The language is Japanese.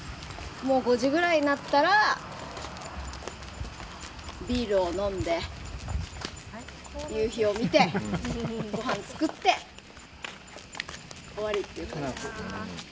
５時ぐらいになったらビールを飲んで夕日を見て、ごはんを作って終わりっていう感じです。